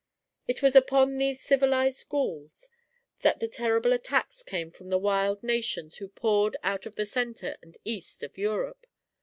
It was upon these civilized Gauls that the terrible attacks came from the wild nations who poured out of the center and east of Europe.